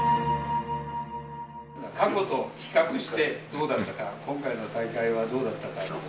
過去と比較してどうだったか、今回の大会はどうだったか。